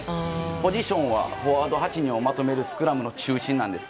ポジションはフォワード８人をまとめるスクラムの中心です。